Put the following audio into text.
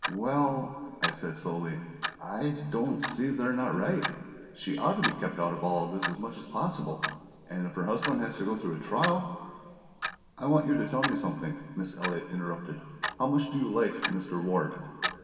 "Well," I said slowly, "I don't see that they're not right. She ought to be kept out of all this as much as possible; and if her husband has to go through a trial " "I want you to tell me something," Miss Elliott interrupted. "How much do you like Mr. Ward?"